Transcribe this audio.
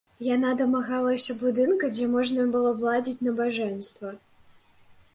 Яна дамагалася будынка, дзе можна было б ладзіць набажэнства.